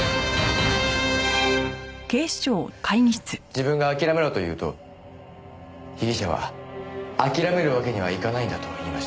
自分が「諦めろ」と言うと被疑者は「諦めるわけにはいかないんだ」と言いました。